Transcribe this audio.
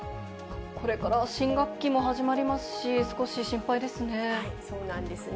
これから新学期も始まりますそうなんですね。